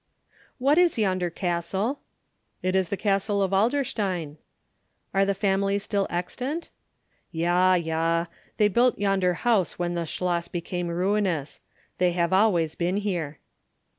"What is yonder castle?" "It is the castle of Adlerstein." "Are the family still extant?" "Yea, yea; they built yonder house when the Schloss became ruinous. They have always been here."